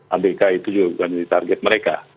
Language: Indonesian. amerika itu juga bukan menjadi target mereka